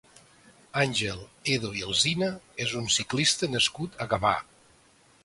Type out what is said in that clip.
Àngel Edo i Alsina és un ciclista nascut a Gavà.